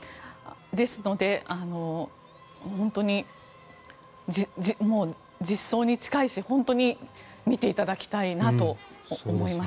ですので、本当に実相に近いし本当に見ていただきたいなと思います。